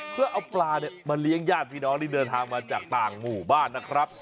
เพื่อเอาปลามาเลี้ยงญาติพี่น้องที่เดินทางมาจากต่างหมู่บ้านนะครับ